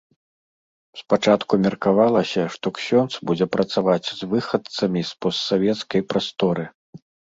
Спачатку меркавалася, што ксёндз будзе працаваць з выхадцамі з постсавецкай прасторы.